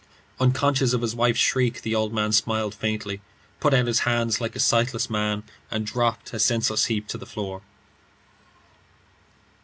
Unconscious of his wife's shriek, the old man smiled faintly, put out his hands like a sightless man, and dropped, a senseless heap, to the floor.